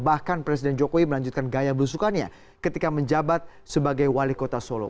bahkan presiden jokowi melanjutkan gaya belusukannya ketika menjabat sebagai wali kota solo